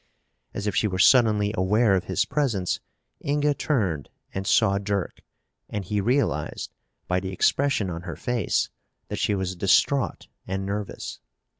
As if she were suddenly aware of his presence, Inga turned and saw Dirk and he realized, by the expression on her face, that she was distraught and nervous.